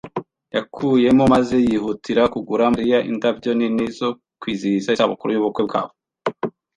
yakuyemo maze yihutira kugura Mariya indabyo nini zo kwizihiza isabukuru y'ubukwe bwabo.